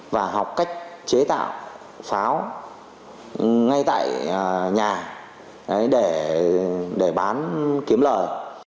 và học cách chế tạo pháo ngay tại nhà để bán kiếm lời